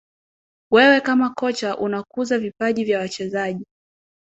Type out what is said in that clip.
wewe kama kocha unakuza vipaji vya wachezaji